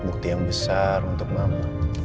bukti yang besar untuk mama